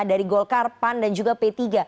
dari golkar pan dan juga p tiga